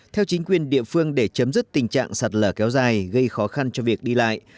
theo chính quyền địa phương để chấm dứt tình trạng sạt lở kéo dài gây khó khăn cho việc đi lại